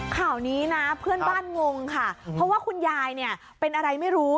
ข่าวนี้นะเพื่อนบ้านงงค่ะเพราะว่าคุณยายเนี่ยเป็นอะไรไม่รู้